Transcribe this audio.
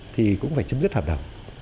thì cũng phải chấm dứt hợp đồng